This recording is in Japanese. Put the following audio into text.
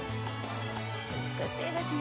美しいですね。